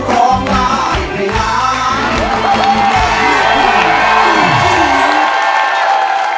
ร้องได้